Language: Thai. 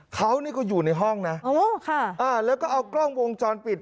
เขานี่ก็อยู่ในห้องนะโอ้โหค่ะอ่าแล้วก็เอากล้องวงจรปิด